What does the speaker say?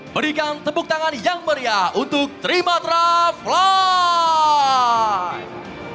berikan tepuk tangan yang meriah untuk trimatra flight